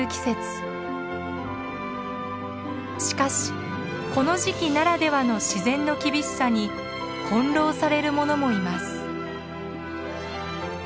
しかしこの時期ならではの自然の厳しさに翻弄されるものもいます。